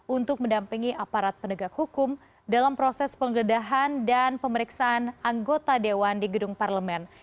untuk mendampingi aparat penegak hukum dalam proses penggeledahan dan pemeriksaan anggota dewan di gedung parlemen